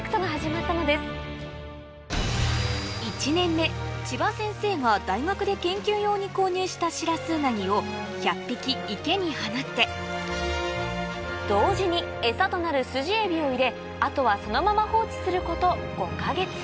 １年目千葉先生が大学で研究用に購入したシラスウナギを１００匹池に放って同時に餌となるスジエビを入れあとはそのまま放置すること